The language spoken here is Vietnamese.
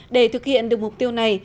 để thực hiện được mục tiêu này